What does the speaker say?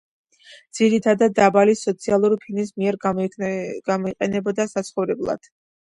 ძირითადად დაბალი სოციალური ფენის მიერ გამოიყენებოდა საცხოვრებლად.